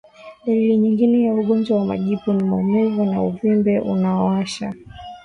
Dalili nyingine ya ugonjwa wa majipu ni Maumivu na uvimbe unaowasha